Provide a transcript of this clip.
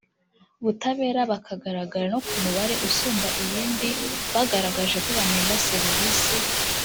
butabera bakagararagara no ku mubare usumba iyindi mu bagaragaje ko banenga serivisi